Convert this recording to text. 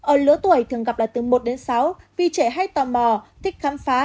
ở lứa tuổi thường gặp là từ một đến sáu vì trẻ hay tò mò thích khám phá